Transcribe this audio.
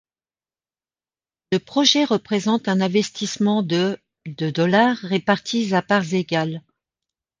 Le projet représente un investissement de de dollars, répartis à parts égales.